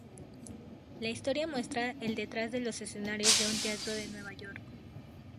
La historia muestra el detrás de los escenarios de un teatro de Nueva York.